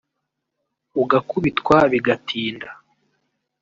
ugakubitwa bigatinda